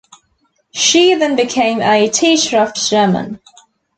She then became a teacher of German.